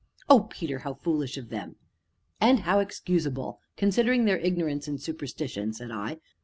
"Oh, Peter, how foolish of them!" "And how excusable! considering their ignorance and superstition," said I.